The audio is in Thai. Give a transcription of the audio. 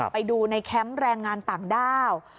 ไปดูในแคมป์แรงงานต่างด้าว